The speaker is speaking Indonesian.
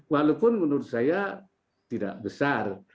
walaupun menurut saya tidak besar